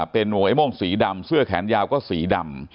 เป็นห่วงไอ้โม่งสีดำเสื้อแขนยาวก็สีดำ